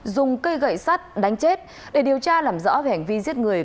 dùng cây gậy sắt đánh chết để điều tra làm rõ về hành vi giết người